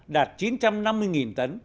đạt chín trăm năm mươi tấn